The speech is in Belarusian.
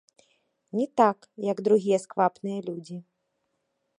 Не так, як другія сквапныя людзі.